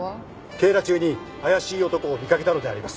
警ら中に怪しい男を見かけたのであります。